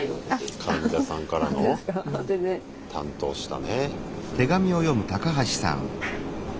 患者さんからの担当したね。